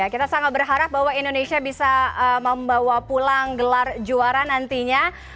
kita sangat berharap bahwa indonesia bisa membawa pulang gelar juara nantinya